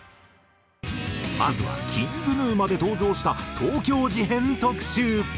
まずはＫｉｎｇＧｎｕまで登場した東京事変特集。